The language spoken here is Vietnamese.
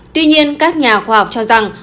tuy nhiên các nhà khoa học cho rằng